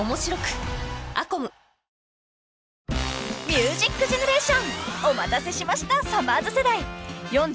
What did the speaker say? ［『ミュージックジェネレーション』お待たせしましたさまぁず世代］いるじゃん！